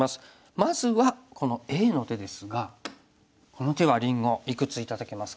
まずはこのＡの手ですがこの手はりんごいくつ頂けますか？